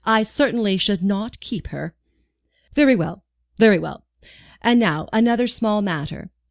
I certainly should not keep her." "Very well, very well. And now, another small matter.